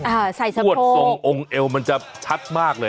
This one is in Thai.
อ่าใส่สะโพกตรงองค์เอวมันจะชัดมากเลย